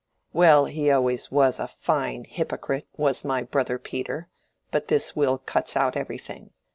"Well, he always was a fine hypocrite, was my brother Peter. But this will cuts out everything.